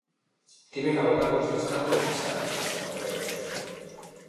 Tiven avogados do Estado no Insalud, en Correos.